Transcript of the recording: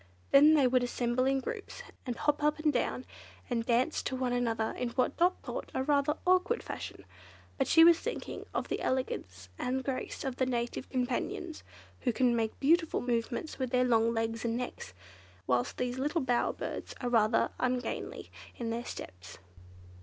Then they would assemble in groups, and hop up and down, and dance to one another in what Dot thought a rather awkward fashion; but she was thinking of the elegance and grace of the Native Companions, who can make beautiful movements with their long legs and necks, whilst these little bower birds are rather ungainly in their steps.